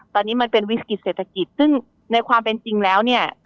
ตอนนี้มันเป็นวิกฤติเศรษฐกิจซึ่งในความเป็นจริงแล้วเนี่ย